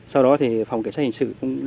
sau đó phòng kẻ sát hình sự